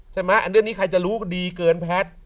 ใช่ไหมอันด้วยนี้ใครจะรู้ดีเกินแพทย์